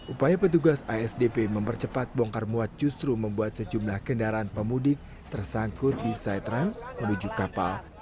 upaya petugas asdp mempercepat bongkar muat justru membuat sejumlah kendaraan pemudik tersangkut di side run menuju kapal